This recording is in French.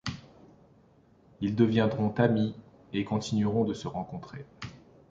Ils deviendront amis, et continueront de se rencontrer.